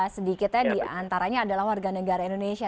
sedikitnya diantaranya adalah warga negara indonesia